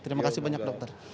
terima kasih banyak dokter